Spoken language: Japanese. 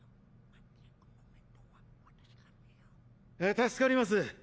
助かります！